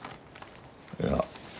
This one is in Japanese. いや。